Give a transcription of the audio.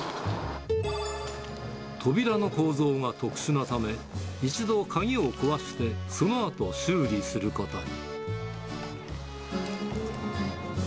扉の構造が特殊なため、一度鍵を壊して、そのあと、修理することに。